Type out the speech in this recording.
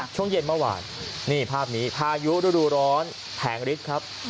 ช่วงเย็นเมื่อวานนี่ภาพนี้พายุฤดูร้อนแผงฤทธิ์ครับ